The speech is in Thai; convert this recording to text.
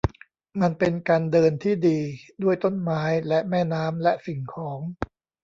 มันเป็นการเดินที่ดีด้วยต้นไม้และแม่น้ำและสิ่งของ